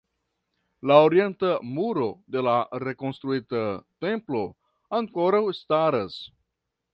La Orienta Muro de la rekonstruita Templo ankoraŭ staras.